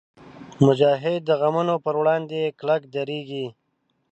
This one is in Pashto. مجاهد د غمونو پر وړاندې کلک درېږي.